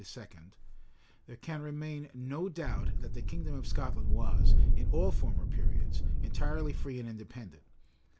[] there can remain no doubt that the kingdom of Scotland was, in all former periods, entirely free and independent.